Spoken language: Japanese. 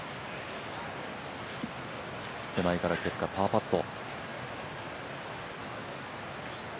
手前からケプカ、パーパット。